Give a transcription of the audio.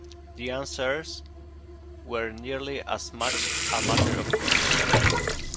The answers were nearly as much a matter of course.